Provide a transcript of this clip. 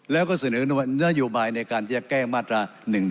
แล้วก็เสนอนโยบายในการที่จะแก้มาตรา๑๑๒